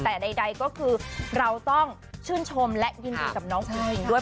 แต่ใดก็คือเราต้องชื่นชมและยินดีกับน้องคุณคิงด้วย